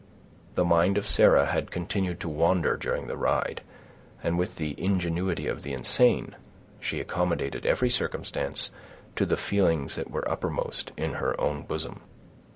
The mind of Sarah had continued to wander during the ride, and, with the ingenuity of the insane, she accommodated every circumstance to the feelings that were uppermost in her own bosom.